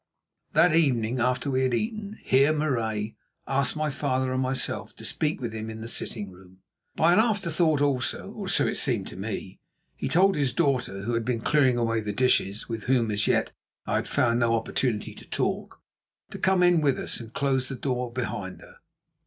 That evening, after we had eaten, Heer Marais asked my father and myself to speak with him in the sitting room. By an afterthought also, or so it seemed to me, he told his daughter, who had been clearing away the dishes and with whom as yet I had found no opportunity to talk, to come in with us and close the door behind her.